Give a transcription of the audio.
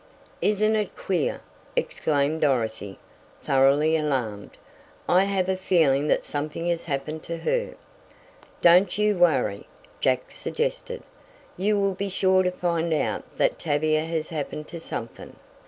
"Isn't it queer!" exclaimed Dorothy, thoroughly alarmed. "I have a feeling that something has happened to her." "Don't you worry," Jack suggested. "You will be sure to find out that Tavia has happened to something.